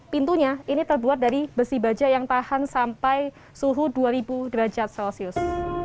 pintunya ini terbuat dari besi baja yang tahan sampai suhu dua ribu derajat celcius